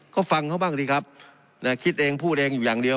ก็ฟังเขาบ้างดีครับคิดเองพูดเองอยู่อย่างเดียว